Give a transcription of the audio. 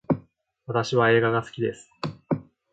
私は映画が好きです